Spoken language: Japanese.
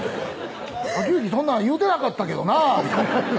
「晃行そんなん言うてなかったけどなぁ」